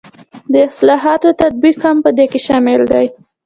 د اصلاحاتو تطبیق هم په دې کې شامل دی.